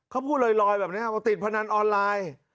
เขาพูดลอยแบบนี้ว่าติดพนันออนไลน์